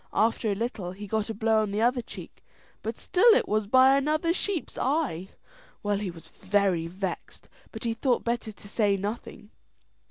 After a little he got a blow on the other cheek, and still it was by another sheep's eye. Well, he was very vexed, but he thought better to say nothing.